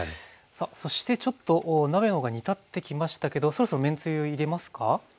さあそしてちょっと鍋の方が煮立ってきましたけどそろそろめんつゆ入れますか？